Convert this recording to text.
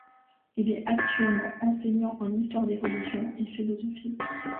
Il est actuellement enseignant en histoire des religions et philosophie.